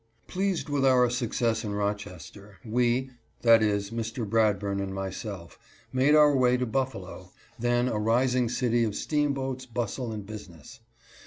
Pleased with our success in Rochester, we — that is, Mr. Bradburn and myself — made our way to Buffalo, then a rising city of steamboats, bustle, and business.